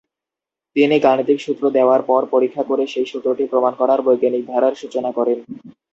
তিনি গাণিতিক সূত্র দেওয়ার পর পরীক্ষা করে সেই সূত্রটি প্রমাণ করার বৈজ্ঞানিক ধারার সূচনা করেন।